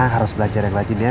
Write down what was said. harus belajar yang rajin ya